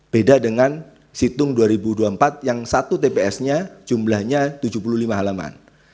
beda dengan situng dua ribu dua puluh empat yang satu tps nya jumlahnya tujuh puluh lima halaman